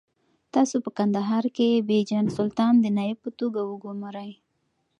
تاسو په کندهار کې بېجن سلطان د نایب په توګه وګمارئ.